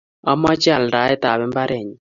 ameche aldaetab mbarenyu.